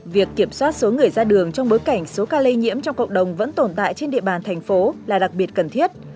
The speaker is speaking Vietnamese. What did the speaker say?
việc kiểm soát số người ra đường trong bối cảnh số ca lây nhiễm trong cộng đồng vẫn tồn tại trên địa bàn thành phố là đặc biệt cần thiết